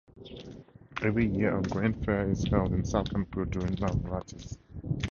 Every year a grand fair is held in salkanpur during Navratris.